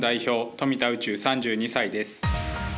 富田宇宙、３２歳です。